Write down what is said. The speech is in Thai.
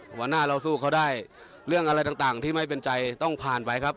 หัวหน้าเราสู้เขาได้เรื่องอะไรต่างที่ไม่เป็นใจต้องผ่านไปครับ